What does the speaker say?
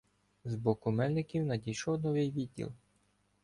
З боку Мельників надійшов новий відділ.